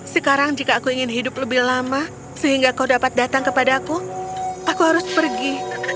sekarang jika aku ingin hidup lebih lama sehingga kau dapat datang kepadaku aku harus pergi